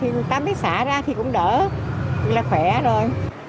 thì người ta mới xả ra thì cũng đỡ thì là khỏe rồi